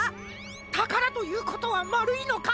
たからということはまるいのか？